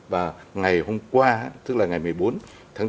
và ngày hôm qua tức là ngày một mươi bốn tháng bốn